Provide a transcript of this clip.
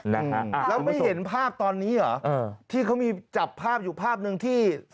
แล้วไม่เห็นภาพตอนนี้เหรอที่เขามีจับภาพอยู่ภาพหนึ่งที่